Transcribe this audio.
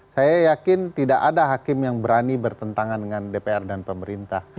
saya yakin tidak ada hakim yang berani bertentangan dengan dpr dan pemerintah